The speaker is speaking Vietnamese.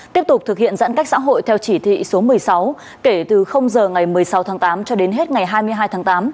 tiếp tục thực hiện giãn cách xã hội theo chỉ thị số một mươi sáu kể từ giờ ngày một mươi sáu tháng tám cho đến hết ngày hai mươi hai tháng tám